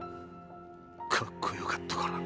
かっこよかったから。